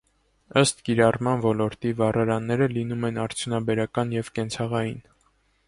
Ըստ կիրառման ոլորտի վառարանները լինում են արդյունաբերական և կենցաղային։